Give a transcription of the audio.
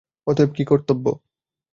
অতএব কী কর্তব্য?